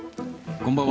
こんばんは。